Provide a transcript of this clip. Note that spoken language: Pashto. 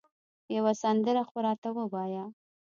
یوه سندره خو راته ووایه